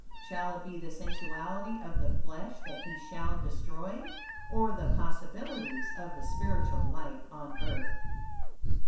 Shall it be the sensuality of the flesh that he shall destroy, or the possibilities of the spiritual life on earth.